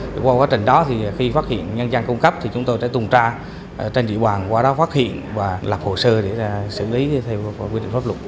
qua quá trình đó khi phát hiện nhân dân công cấp chúng tôi sẽ tùng tra trên địa bàn qua đó phát hiện và lập hồ sơ để xử lý theo quy định pháp luật